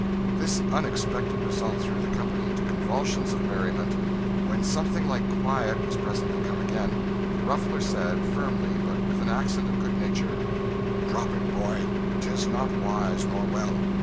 This unexpected result threw the company into convulsions of merriment. When something like quiet was presently come again, the Ruffler said, firmly, but with an accent of good nature "Drop it, boy, 'tis not wise, nor well.